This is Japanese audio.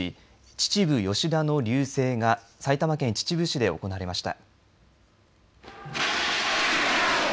秩父吉田の龍勢が埼玉県秩父市で行われました。